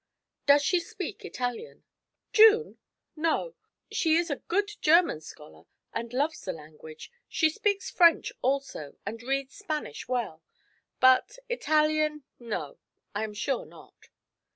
'Does she speak Italian?' 'June? No; she is a good German scholar, and loves the language. She speaks French also, and reads Spanish well; but Italian, no, I am sure not.'